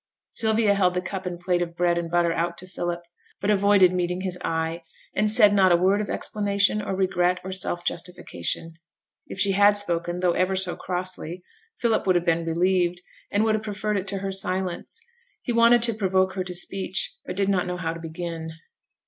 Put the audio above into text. Sylvia held the cup and plate of bread and butter out to Philip, but avoided meeting his eye, and said not a word of explanation, or regret, or self justification. If she had spoken, though ever so crossly, Philip would have been relieved, and would have preferred it to her silence. He wanted to provoke her to speech, but did not know how to begin.